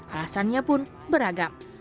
alasannya pun beragam